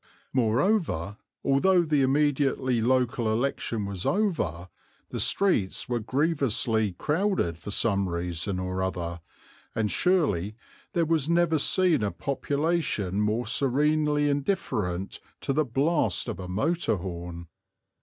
Moreover, although the immediately local election was over, the streets were grievously crowded for some reason or other and surely there was never seen a population more serenely indifferent to the blast of a motor horn!